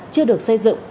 chưa được xây dựng